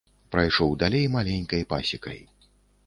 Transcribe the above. Прайшоў далей маленькай пасекай.